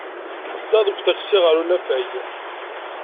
Ddiɣ deg uṭaksi ɣer unafag